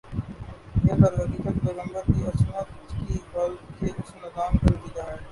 یہ درحقیقت پیغمبر کی عصمت کی حفاظت کے اس نظام کا نتیجہ ہے